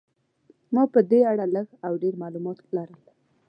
ما په دې اړه لږ او ډېر معلومات لرل.